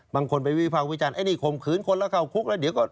บางคนไปวิภาควิจารณไอ้นี่ข่มขืนคนแล้วเข้าคุกแล้วเดี๋ยวก็